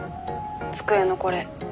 机のこれ。